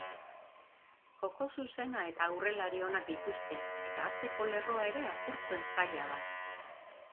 Joko zuzena eta aurrelari onak dituzte eta atzeko lerroa ere apurtzen zaila da.